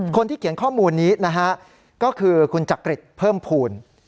คนที่เขียนข้อมูลนี้นะฮะก็คือคุณจักริจเพิ่มภูมิ